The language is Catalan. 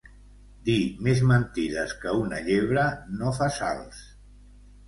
Dir més mentides que una llebre no fa salts.